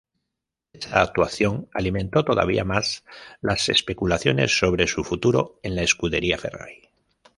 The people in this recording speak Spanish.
Esa actuación alimentó todavía más las especulaciones sobre su futuro en la Scuderia Ferrari.